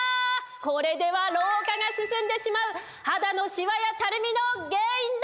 これでは老化が進んでしまう肌のシワやたるみの原因だ！